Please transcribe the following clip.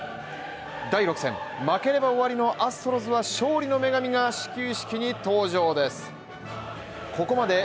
第６戦負ければ終わりのアストロズは勝利の女神が始球式に登場です。